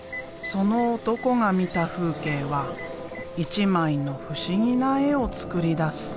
その男が見た風景は一枚の不思議な絵を作り出す。